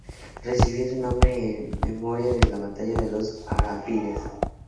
Recibía su nombre en memoria de la Batalla de los Arapiles.